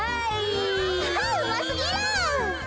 うますぎる。